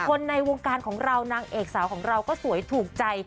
ในวงการของเรานางเอกสาวของเราก็สวยถูกใจ